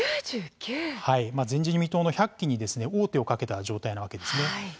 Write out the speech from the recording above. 前人未到の１００期に王手をかけた状態なわけですね。